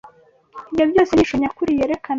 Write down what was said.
Ibyo byose ni ishusho nyakuri yerekana